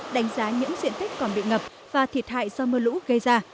đánh giá những diện tích còn bị ngập và thiệt hại do mưa lũ gây ra